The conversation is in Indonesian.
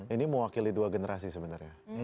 ini mewakili dua generasi sebenarnya